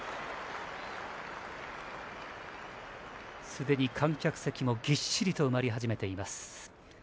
すでに観客席もぎっしりと埋まり始めています。